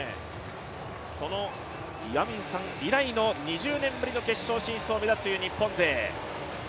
その岩水さん以来の２０年ぶりの決勝進出を目指すという日本勢。